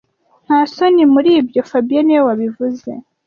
Nta soni muribyo fabien niwe wabivuze